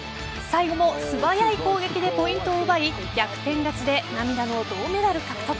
最後も素早い攻撃でポイントを奪い逆転勝ちで涙の銅メダル獲得。